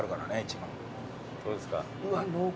どうですか？